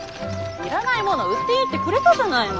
要らないもの売っていいってくれたじゃないの。